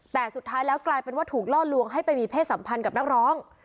แต่สุดท้ายแล้วกลายเป็นว่าถูกล่อลวงให้ไปมีเพศสัมพันธ์กับนักร้อง